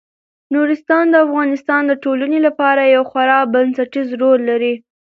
نورستان د افغانستان د ټولنې لپاره یو خورا بنسټيز رول لري.